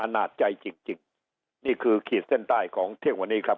นาจใจจริงจริงนี่คือขีดเส้นใต้ของเที่ยงวันนี้ครับ